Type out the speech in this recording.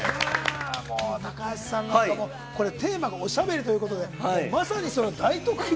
高橋さんなんかも、テーマがおしゃべりということで、まさに大得意。